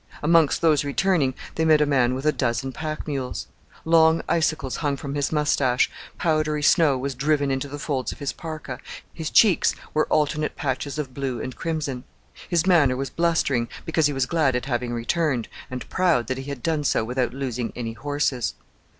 Amongst those returning they met a man with a dozen pack mules. Long icicles hung from his moustache, powdery snow was driven into the folds of his parka, his cheeks were alternate patches of blue and crimson. His manner was blustering, because he was glad at having returned, and proud that he had done so without losing any horses.